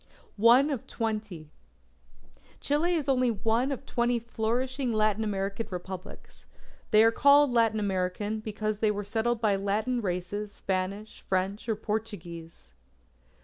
ONE OF TWENTY Chile is only one of twenty flourishing Latin American Republics. They are called Latin American, because they were settled by Latin Races, Spanish, French, or Portuguese.